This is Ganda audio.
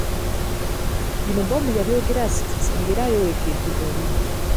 Bino Bob yabyogera asituse ng’era ayolekedde oluggi.